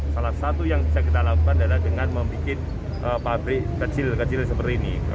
salah satu yang bisa kita lakukan adalah dengan membuat pabrik kecil kecil seperti ini